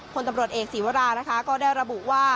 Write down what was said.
คนตำรวจเอกศีวรานะคะก็ได้ระบุว่า